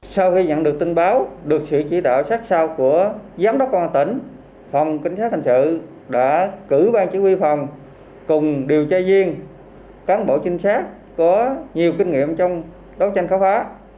sau khi nhận được tin báo được sự chỉ đạo sát sao của giám đốc công an tỉnh phòng kinh sát thành sự đã cử bang chỉ huy phòng cùng điều tra viên cán bộ trinh sát có nhiều kinh nghiệm trong đấu tranh khám phá